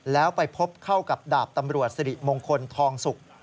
แล้วไปพบเข้ากับดาบตำรวจสิริมงคลทองสุก